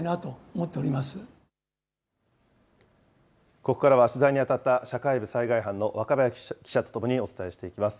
ここからは取材に当たった、社会部災害班の若林記者と共にお伝えしていきます。